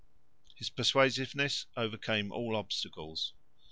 His persuasiveness overcame all obstacles.